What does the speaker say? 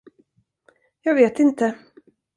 Jag vet inte.